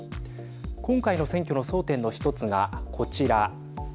今回の選挙の争点の一つがこちら。